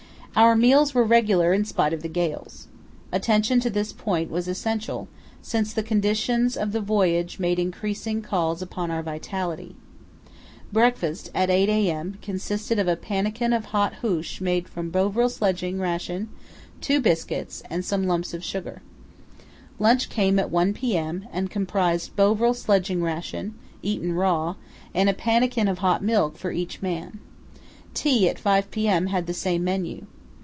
Our meals were regular in spite of the gales. Attention to this point was essential, since the conditions of the voyage made increasing calls upon our vitality. Breakfast, at 8 a.m., consisted of a pannikin of hot hoosh made from Bovril sledging ration, two biscuits, and some lumps of sugar. Lunch came at 1 p.m., and comprised Bovril sledging ration, eaten raw, and a pannikin of hot milk for each man. Tea, at 5 p.m., had the same menu.